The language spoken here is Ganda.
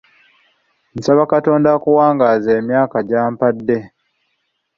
Nsaba Katonda akuwangaaze emyaka gye mpangadde.